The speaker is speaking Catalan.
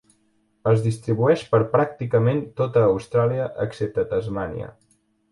Es distribueix per pràcticament tota Austràlia excepte Tasmània.